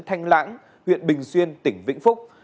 thanh lãng huyện bình xuyên tỉnh vĩnh phúc